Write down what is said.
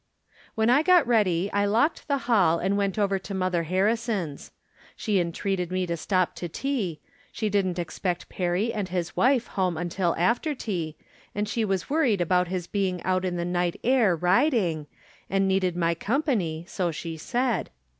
When I got ready I locked the hall and went over to Mother Harrison's. She entreated me to stop to tea ; she didn't expect Perry and his ANofe home until after tea, and she was worried about his being out in the night air riding, and needed my company, so she said.